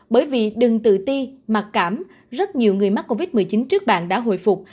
bởi vì đừng tự ti mặc cảm rất nhiều người mắc covid một mươi chín trước bạn đã hồi phục